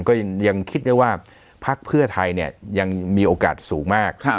ก็ยังคิดได้ว่าพักเพื่อไทยเนี่ยยังมีโอกาสสูงมาก